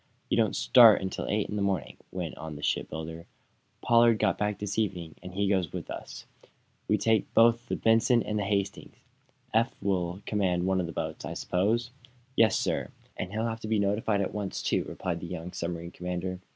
"You don't start until eight in the morning," went on the shipbuilder. "Pollard got back this evening, and he goes with us. We take both the 'Benson' and the 'Hastings.' Eph will have to command one of the boats, I suppose?" "Yes, sir; and he'll have to be notified at once, too," replied the young submarine commander.